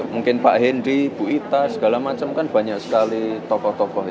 mungkin pak hendy bu ita segala macam kan banyak sekali tokoh tokoh